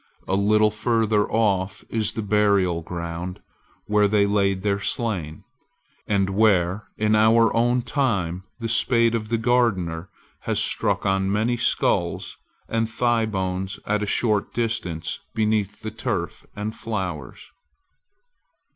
A little further off is the burial ground where they laid their slain, and where even in our own time the spade of the gardener has struck upon many sculls and thighbones at a short distance beneath the turf and flowers.